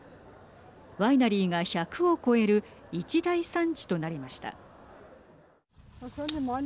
ワイナリーが１００を超える一大産地となりました。